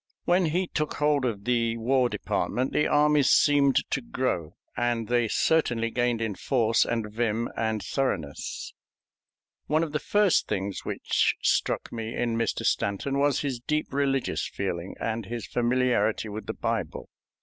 When he took hold of the War Department the armies seemed to grow, and they certainly gained in force and vim and thoroughness. One of the first things which struck me in Mr. Stanton was his deep religious feeling and his familiarity with the Bible.